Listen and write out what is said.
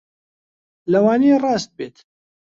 لەوانەیە ڕاست بێت